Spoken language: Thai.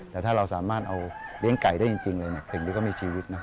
แต่ถ้าเราสามารถเอาเลี้ยงไก่ได้จริงเลยถึงดีก็มีชีวิตนะ